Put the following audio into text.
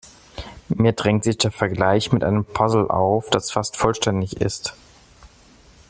Mir drängt sich der Vergleich mit einem Puzzle auf, das fast vollständig ist.